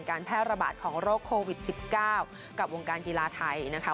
การแพร่ระบาดของโรคโควิด๑๙กับวงการกีฬาไทยนะคะ